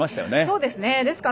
そうですね。